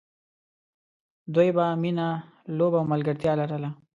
دوی به مینه، لوبه او ملګرتیا لرله.